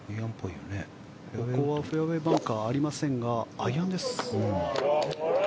ここはフェアウェーバンカーありませんがアイアンですね。